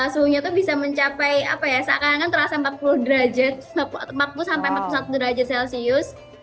suhunya itu bisa mencapai apa ya seakan akan terasa empat puluh derajat empat puluh sampai empat puluh satu derajat celcius